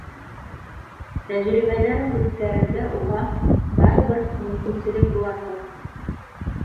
Тәжрибәләрен үткәрергә уға барыбер мөмкинлек буласаҡ